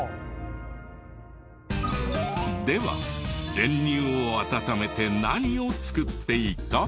では練乳を温めて何を作っていた？